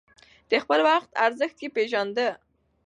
د خپل وخت ارزښت يې پېژانده.